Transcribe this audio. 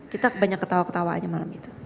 kita banyak ketawa ketawa aja malam itu